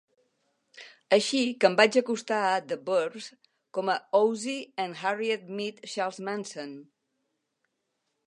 Així que em vaig acostar a "The Burbs" com a "Ozzie and Harriet Meet Charles Manson".